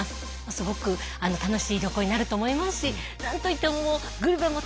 すごく楽しい旅行になると思いますし何といってもグルメもたくさんあります。